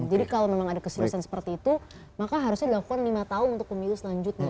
jadi kalau memang ada keselesaan seperti itu maka harusnya dilakukan lima tahun untuk pemilu selanjutnya